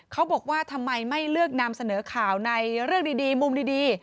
เขาบอกว่าทำไมไม่เลือกนำเสนอข่าวในเรื่องดีมุมดี